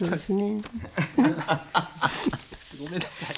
ごめんなさい。